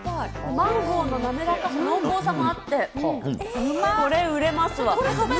マンゴーの滑らかさ、濃厚さもあって、これ、売れますわ。